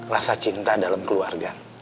rasa cinta dalam keluarga